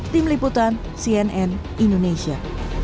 tim liputan cnn indonesia